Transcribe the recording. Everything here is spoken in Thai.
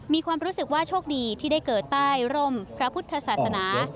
มีความรู้สึกว่าโชคดีที่ได้เกิดใต้ร่มพระพุทธศาสนา